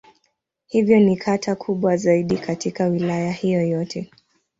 Hivyo ni kata kubwa zaidi katika Wilaya hiyo yote.